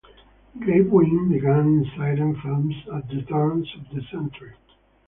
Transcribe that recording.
Grapewin began in silent films at the turn of the century.